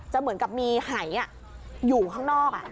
เหมือนกับมีหายอยู่ข้างนอก